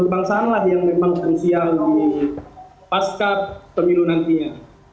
kebangsaan lah yang memang secunyah di pasca peminu nantinya